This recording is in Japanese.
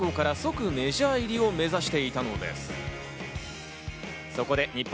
しかし当時大谷選手は、高校から即メジャー入りを目指していたのです。